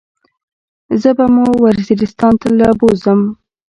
زه به مو وزيرستان له بوزم.